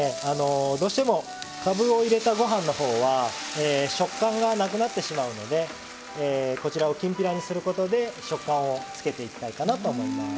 どうしてもかぶを入れたご飯のほうは食感がなくなってしまうのでこちらをきんぴらにすることで食感をつけていきたいかなと思います。